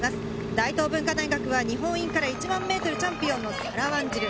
大東文化大学は日本インカレ１００００ｍチャンピオンのサラ・ワンジル。